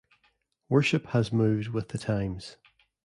Worship has moved with the times.